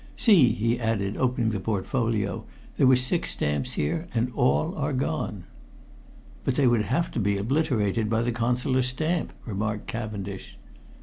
See," he added, opening the portfolio, "there were six stamps here, and all are gone." "But they would have to be obliterated by the Consular stamp," remarked Cavendish.